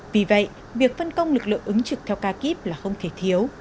vì vậy việc phân công lực lượng ứng trực theo ca kíp là không thể thiếu